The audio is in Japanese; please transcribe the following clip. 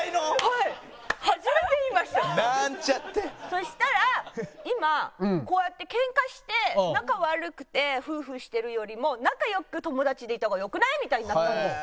そしたら今こうやってケンカして仲悪くて夫婦してるよりも仲良く友達でいた方がよくない？みたいになったんです。